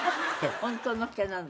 本当の毛なの？